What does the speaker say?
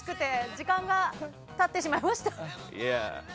時間が経ってしまいました。